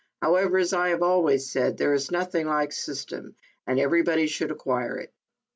However, as I have always said, there is nothing like system, and everybody should acquire it."